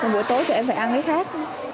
buổi tối tụi em phải ăn với khác